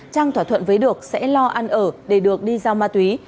trang thỏa thuận với được sẽ lo ăn ở để được đi giao ma túy